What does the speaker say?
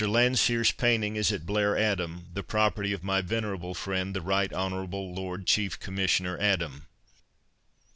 Landseer's painting is at Blair Adam, the property of my venerable friend, the Right Honourable Lord Chief Commissioner Adam.